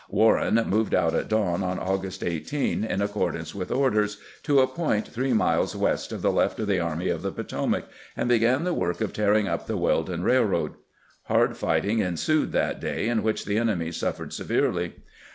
Warren moved out at dawn on August 18, in accor dance with orders, to a point three miles west of the left of the Army of the Potomac, and began the work of tearing up the Weldon Railroad. Hard fighting ensued that day, in which the enemy suffered severely.